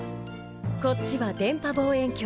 こっちは電波望遠鏡。